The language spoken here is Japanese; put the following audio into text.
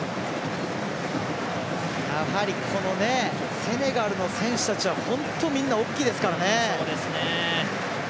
やはりセネガルの選手たちは本当みんな大きいですからね。